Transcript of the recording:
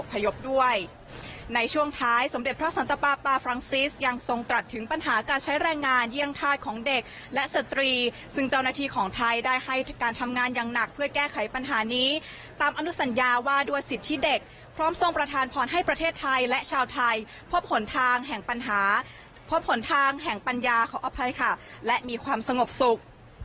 ภังงานทำงานอย่างหนักเพื่อแก้ไขปัญหานี้ตามอนุสัญญาว่าดวชิตที่เด็กพร้อมทรงประทานพรรณให้ประเทศไทยและชาวไทยพบผลทางแห่งปัญหาพบผลทางแห่งปัญญาขออภัยค่ะและมีความสงบสุข